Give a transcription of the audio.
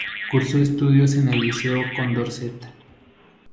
Cursó estudios en el Liceo Condorcet.